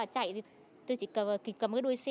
chạy thì tôi chỉ kịp cầm đuôi xe